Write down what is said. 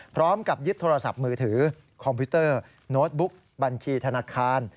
พร้อมกับยึดโทรศัพท์มือถือคอมพิวเตอร์โน้ตบุ๊กบัญชีธนาคาร